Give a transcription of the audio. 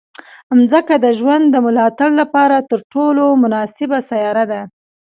مځکه د ژوند د ملاتړ لپاره تر ټولو مناسبه سیاره ده.